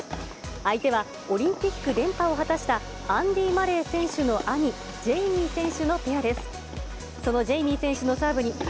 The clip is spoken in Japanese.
相手は、オリンピック連覇を果たしたアンディー・マレー選手の兄、ジェイミー選手のペアです。